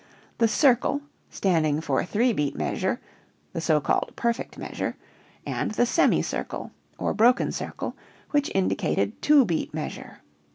the circle, standing for three beat measure (the so called perfect measure) and the semi circle (or broken circle) which indicated two beat measure.